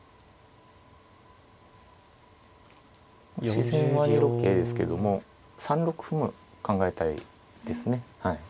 自然は２六桂ですけども３六歩も考えたいですね。